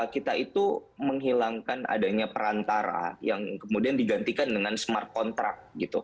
kita itu menghilangkan adanya perantara yang kemudian digantikan dengan smart contract